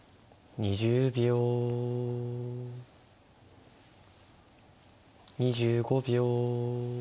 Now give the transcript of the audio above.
２５秒。